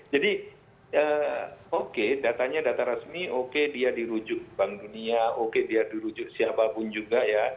jadi oke datanya data resmi oke dia dirujuk bank dunia oke dia dirujuk siapapun juga ya